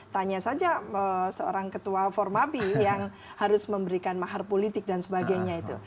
tanya saja seorang ketua formabi yang harus memberikan mahar politik dan sebagainya itu